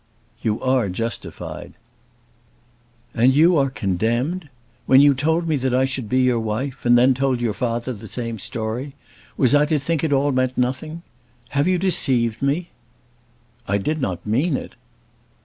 "You are justified." "And you are condemned? When you told me that I should be your wife, and then told your father the same story, was I to think it all meant nothing! Have you deceived me?" "I did not mean it."